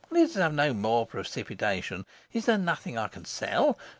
Let us have no more precipitation. Is there nothing I can sell?